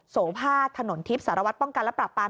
โสภาถนนทิพย์สารวัตรป้องกันและปรับปราม